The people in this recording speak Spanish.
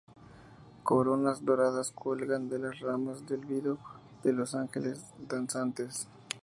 Coronas doradas cuelgan de las ramas de olivo de los ángeles danzantes.